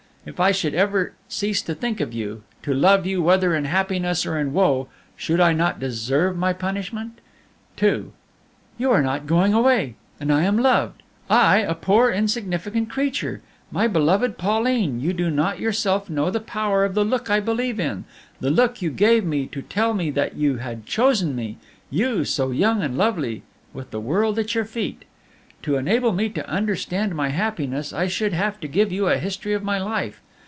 If I should ever cease to think of you, to love you whether in happiness or in woe, should I not deserve my punishment?" II "You are not going away! And I am loved! I, a poor, insignificant creature! My beloved Pauline, you do not yourself know the power of the look I believe in, the look you gave me to tell me that you had chosen me you so young and lovely, with the world at your feet! "To enable you to understand my happiness, I should have to give you a history of my life.